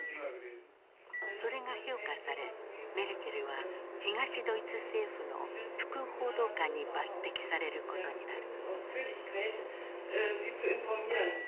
それが評価されメルケルは東ドイツ政府の副報道官に抜てきされることになる。